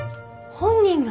本人が！？